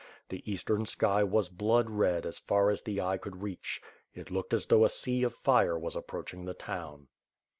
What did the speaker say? The eastern sky was blood red as far as the eye could reach. It looked as though a sea of fire was approaching the town.